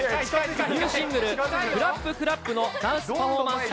ニューシングル、クラップクラップのダンスパフォーマンス